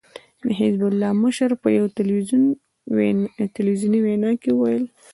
د حزب الله مشر په يوه ټلويزیوني وينا کې ويلي